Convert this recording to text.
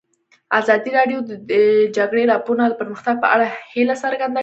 ازادي راډیو د د جګړې راپورونه د پرمختګ په اړه هیله څرګنده کړې.